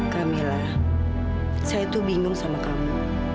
kamilah saya tuh bingung sama kamu